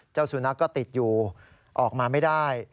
เจ้าสุนัขก็ติดอยู่ออกมาไม่ได้